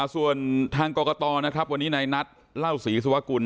ส่วนทางกรกตวันนี้ในนัดเล่าศรีศวรกุล